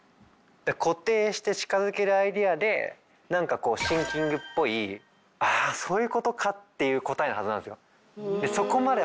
固定して近づけるアイデアで何か「シン・キング」っぽい「ああそういうことか！」っていう答えなはずなんですよ。